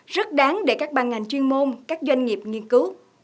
rất đáng để các bàn ngành chuyên môn các doanh nghiệp nghiên cứu